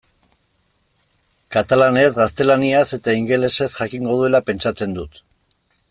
Katalanez, gaztelaniaz eta ingelesez jakingo duela pentsatzen dut.